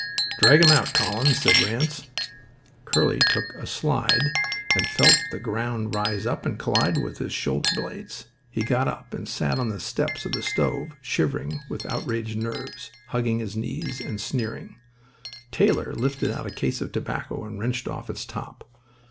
"Drag him out, Collins," said Ranse. Curly took a slide and felt the ground rise up and collide with his shoulder blades. He got up and sat on the steps of the store shivering from outraged nerves, hugging his knees and sneering. Taylor lifted out a case of tobacco and wrenched off its top.